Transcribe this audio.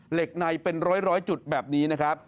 เหล็กในเป็นร้อยจุดแบบนี้นะครับ